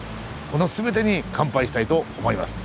この全てに乾杯したいと思います。